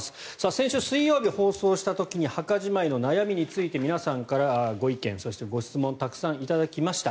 先週水曜日放送した時に墓じまいの悩みについて皆さんからご意見、そしてご質問たくさん頂きました。